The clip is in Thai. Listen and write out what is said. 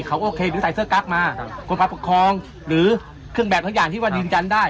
เขาโอเคหรือใส่เสื้อกั๊กมาหรือเครื่องแบบทั้งอย่างที่ว่าดินจันทร์ได้